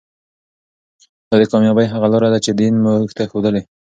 دا د کامیابۍ هغه لاره ده چې دین موږ ته ښودلې.